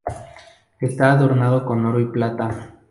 Está adornado con oro y plata.